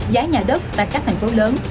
giá nhà đất tại các thành phố lớn